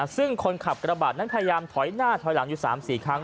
ซึ่งคนขับกระบาดนั้นพยายามถอยหน้าถอยหลังอยู่๓๔ครั้ง